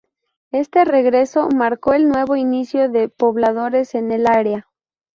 Este regreso marcó el nuevo inicio de pobladores en el área.